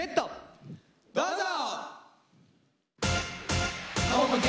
どうぞ！